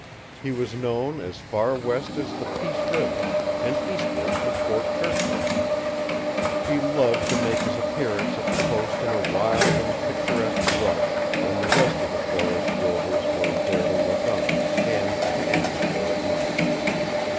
He was known as far west as the Peace River, and eastward to Fort Churchill. He loved to make his appearance at the post in a wild and picturesque rush when the rest of the forest rovers were there to look on, and to envy or admire.